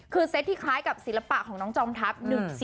คือเซตที่คล้ายกับศิลปะของน้องจอมทัพ